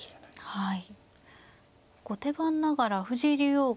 はい。